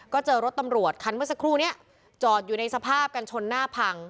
ก็เจอรถตำรวจคันเมื่อสักครู่นี้จอดอยู่ในสภาพกันชนหน้าพัง